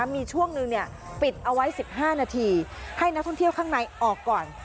มีช่วงหนึ่งปิดเอาไว้๑๕นาทีให้นักท่องเที่ยวข้างในออกก่อน